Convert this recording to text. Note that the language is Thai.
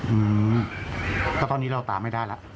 อืมแล้วตอนนี้เราตามไม่ได้แล้ว